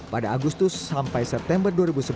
pada agustus sampai september dua ribu sebelas